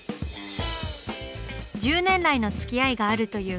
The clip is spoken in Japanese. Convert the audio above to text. １０年来のつきあいがあるという２人。